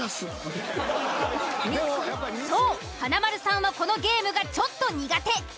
そう華丸さんはこのゲームがちょっと苦手。